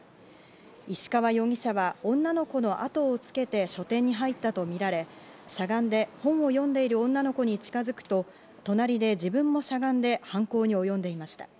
石川容疑者は女の子の後をつけて書店に入ったとみられ、しゃがんで本を読んでいる女の子に近づくと、隣で自分もしゃがんで犯行におよんでいました。